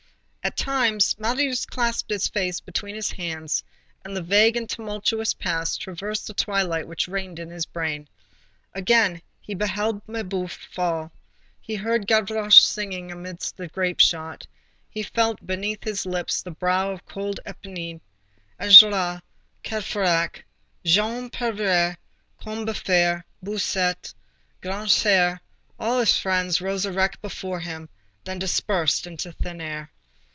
At times, Marius clasped his face between his hands, and the vague and tumultuous past traversed the twilight which reigned in his brain. Again he beheld Mabeuf fall, he heard Gavroche singing amid the grape shot, he felt beneath his lips the cold brow of Éponine; Enjolras, Courfeyrac, Jean Prouvaire, Combeferre, Bossuet, Grantaire, all his friends rose erect before him, then dispersed into thin air.